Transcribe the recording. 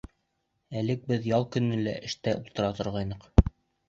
Элек беҙ ял көнө лә эштә ултыра торғайныҡ.